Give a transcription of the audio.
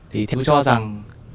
thì cháu cho rằng